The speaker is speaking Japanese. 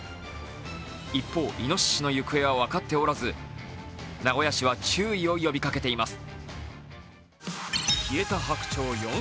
一方、いのししの行方は分かっておらず名古屋市は注意を呼びかけています。